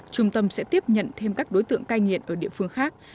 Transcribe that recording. trung tâm sẽ tiếp nhận thêm các đối tượng cai nghiện ở địa phương khác